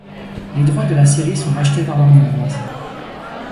Les droits de la série sont rachetés par Warner Bros.